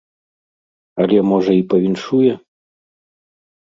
Але можа і павіншуе.